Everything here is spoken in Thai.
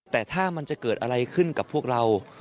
แต่ถ้ามันจะเกิดอะไรขึ้นกับพวกเรา